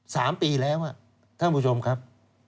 สามปีแล้วอ่ะท่านผู้ชมครับ